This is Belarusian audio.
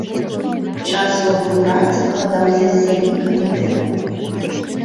Часовы ўрад складаўся з сямі камітэтаў.